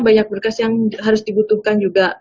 banyak berkas yang harus dibutuhkan juga